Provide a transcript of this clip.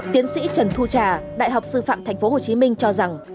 tiến sĩ trần thu trà đại học sư phạm tp hcm cho rằng